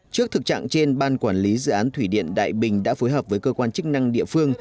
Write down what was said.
trước thực trạng trên ban quản lý dự án thủy điện đại bình đã phối hợp với cơ quan chức năng địa phương